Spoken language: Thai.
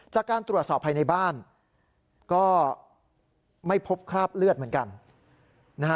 จากการตรวจสอบภายในบ้านก็ไม่พบคราบเลือดเหมือนกันนะฮะ